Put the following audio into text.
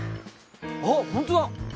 あっほんとだ！